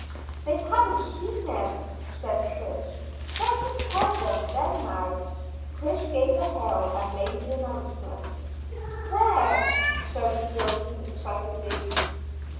"They haven't seen them," said Chris. "Shout and tell them, then, now." Chris gave a hail, and made the announcement. "Where?" shouted Wilton excitedly.